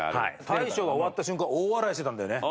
大昇が終わった瞬間大笑いしてたんだよね。